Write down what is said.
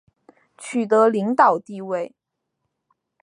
取得领导地位